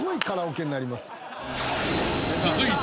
［続いて］